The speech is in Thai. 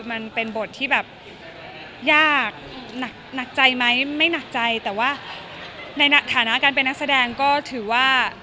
มันเป็นบทที่แบบยากหนักใจไหมไม่หนักใจแต่ว่าในฐานะการเป็นนักแสดงก็ถือว่า